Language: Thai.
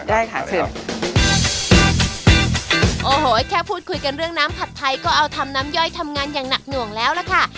โอ้โหแค่พูดคุยกันเรื่องน้ำผัดไทยก็เอาทำน้ำย่อยทำงานอย่างหนักหน่วงแล้วล่ะค่ะ